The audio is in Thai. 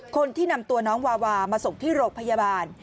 คนที่นำตัวน้องวาวามาส่งที่โรงพยาบาล